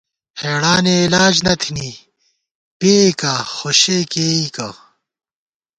ہېڑانی علاج نہ تھنی، پئېکا خو شے کېئیکہ